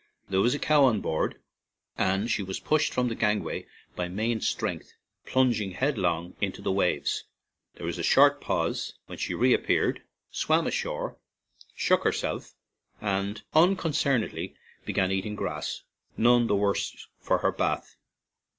There was a cow on board, and she was pushed from the gangway by main strength, plunging headlong into the waves; there was a short pause, when she reappeared, swam ashore, shook herself, and uncon cernedly began eating grass, none the worse for her bath.